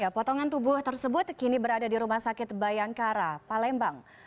potongan tubuh tersebut kini berada di rumah sakit bayangkara palembang